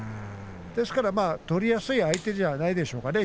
ですから取りやすい相手ではないでしょうかね